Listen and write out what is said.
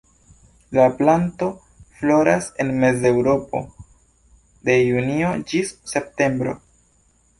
La planto floras en Mezeŭropo de junio ĝis septembro.